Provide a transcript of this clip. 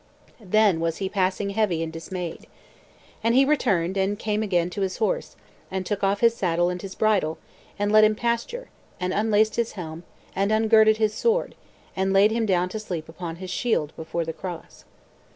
Then was he passing heavy and dismayed. And he returned and came again to his horse, and took off his saddle and his bridle, and let him pasture; and unlaced his helm, and ungirded his sword, and laid him down to sleep upon his shield before the cross.